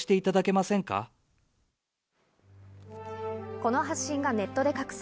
この発信がネットで拡散。